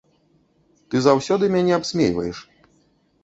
Ты заўсёды мяне абсмейваеш.